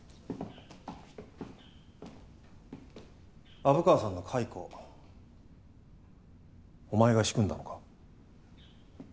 虻川さんの解雇お前が仕組んだのか？